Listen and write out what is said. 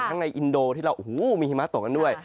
ทั้งในอินโดที่มีฮิมะตกกันด้วย